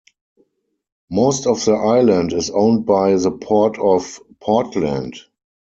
Most of the island is owned by the Port of Portland.